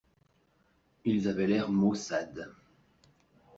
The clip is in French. Ils avaient l’air maussade.